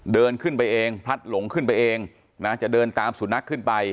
เดินขึ้นไปเองพลัดหลงขึ้นไปเองนะจะเดินตามสุนัขขึ้นไป